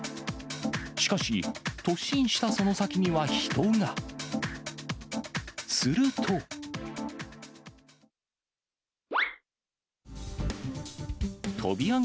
しかし、突進したその先には人が。